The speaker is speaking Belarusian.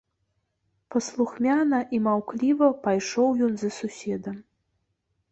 Паслухмяна і маўкліва пайшоў ён за суседам.